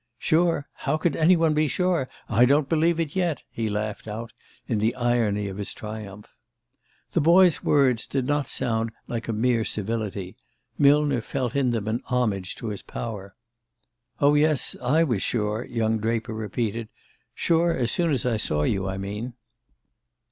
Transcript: "Sure? How could any one be sure? I don't believe in it yet!" he laughed out in the irony of his triumph. The boy's words did not sound like a mere civility Millner felt in them an homage to his power. "Oh, yes: I was sure," young Draper repeated. "Sure as soon as I saw you, I mean."